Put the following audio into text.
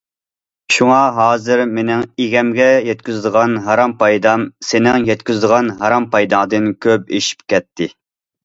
شۇڭا ھازىر مېنىڭ ئىگەمگە يەتكۈزىدىغان ھارام پايدام سېنىڭ يەتكۈزىدىغان ھارام پايداڭدىن كۆپ ئېشىپ كەتتى.